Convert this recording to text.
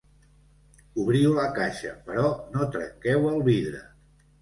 Obriu la caixa, però no trenqueu el vidre.